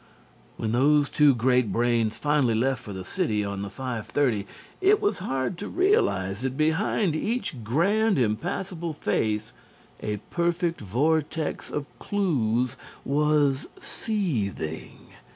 When those two great brains finally left for the city on the five thirty, it was hard to realize that behind each grand, impassible face a perfect vortex of clues was seething.